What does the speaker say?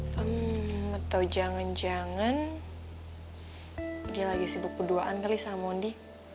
hmm atau jangan jangan dia lagi sibuk berduaan kali sama mondi